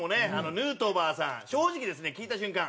ヌートバーさん正直ですね聞いた瞬間